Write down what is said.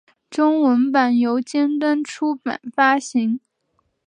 中文版由尖端出版发行。